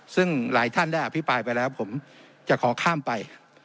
ซึ่งหลายท่านได้อภิปรายไปแล้วผมจะขอข้ามไป